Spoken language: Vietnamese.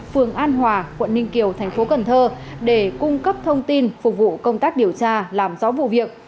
phường an hòa quận ninh kiều thành phố cần thơ để cung cấp thông tin phục vụ công tác điều tra làm rõ vụ việc